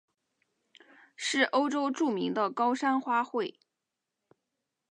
是欧洲著名的高山花卉。